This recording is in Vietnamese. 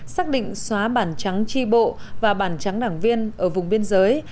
xác định xóa bản trắng tri bộ và bản trắng đảng viên ở vùng biên giới